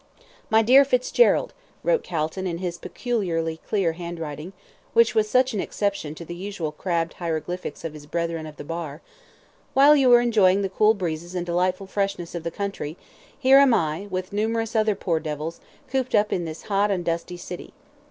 "My dear Fitzgerald," wrote Calton his peculiarly clear handwriting, which was such an exception to the usual crabbed hieroglyphics of his brethren of the bar, "while you are enjoying the cool breezes and delightful freshness of the country, here am I, with numerous other poor devils, cooped up in this hot and dusty city.